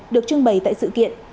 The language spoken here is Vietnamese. được trưng bày tại sự kiện